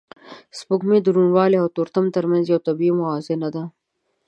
سپوږمۍ د روڼوالی او تورتم تر منځ یو طبیعي موازنه ده